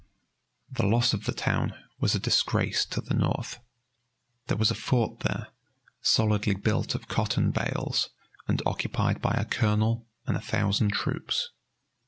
The loss of the town was a disgrace to the North. There was a fort there, solidly built of cotton bales and occupied by a colonel and a thousand troops.